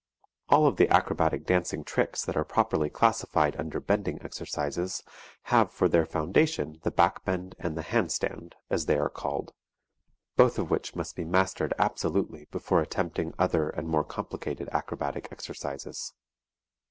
All of the acrobatic dancing tricks that are properly classified under bending exercises have for their foundation the back bend and the hand stand, as they are called, both of which must be mastered absolutely before attempting other and more complicated acrobatic exercises.